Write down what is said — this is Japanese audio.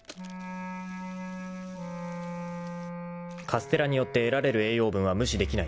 ［カステラによって得られる栄養分は無視できない］